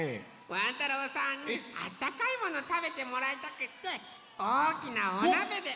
ワン太郎さんにあったかいものたべてもらいたくっておおきなおなべでもってきたよ！